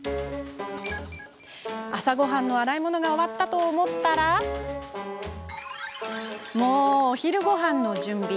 朝ごはんの洗い物が終わったと思ったら、もうお昼ごはんの準備。